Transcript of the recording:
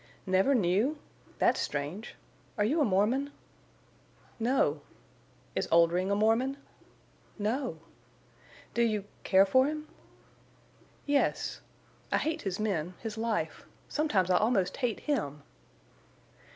"Never knew? That's strange! Are you a Mormon?" "No." "Is Oldring a Mormon?" "No." "Do you—care for him?" "Yes. I hate his men—his life—sometimes I almost hate him!"